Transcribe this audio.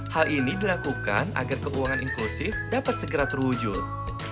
hal ini dilakukan agar keuangan inklusif dapat segera terwujud